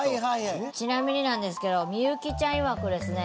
ちなみになんですけど幸ちゃんいわくですね